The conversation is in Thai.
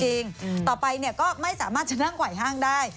จริงต่อไปก็ไม่สามารถจะนั่งไหว้ห้างได้